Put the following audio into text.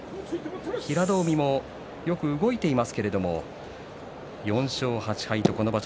平戸海もよく動いていますけれども４勝８敗とこの場所